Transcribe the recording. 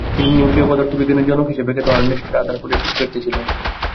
তিনি "নিউক্লীয় পদার্থবিজ্ঞানের জনক" হিসেবে খ্যাত আর্নেস্ট রাদারফোর্ডের শিক্ষার্থী ছিলেন।